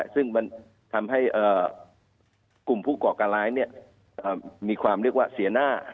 ซึ่งมันทำให้กลุ่มผู้ก่อการร้ายมีความเรียกว่าเสียหน้า